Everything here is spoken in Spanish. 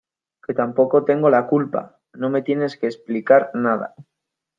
que tampoco tengo la culpa. no me tienes que explicar nada .